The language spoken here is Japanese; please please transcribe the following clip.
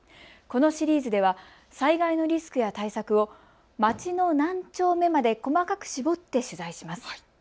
このシリーズでは災害のリスクや対策を町の何丁目まで細かく絞って取材します。